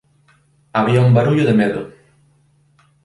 Había un barullo de medo